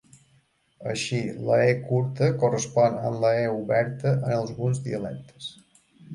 Així, la "e" curta correspon amb la "e" oberta en alguns dialectes.